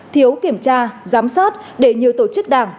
thiếu kiểm tra giám sát để nhiều tổ chức đảng